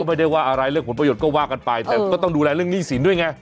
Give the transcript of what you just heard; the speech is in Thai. ไม่ได้ว่าอะไรเรื่องผลประโยชน์ก็ว่ากันไปแต่ก็ต้องดูแลเรื่องหนี้สินด้วยไง